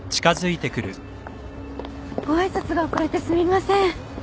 ご挨拶が遅れてすみません。